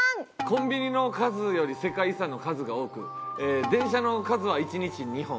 コンビニの数より世界遺産の数が多く電車の数は一日２本。